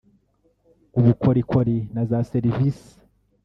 ubukorikori na za ‘services’